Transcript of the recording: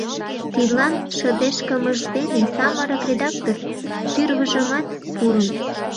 Тидлан шыдешкымыж дене самырык редактор тӱрвыжымат пурын.